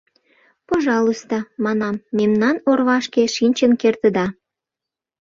— Пожалуйста, — манам, — мемнан орвашке шинчын кертыда!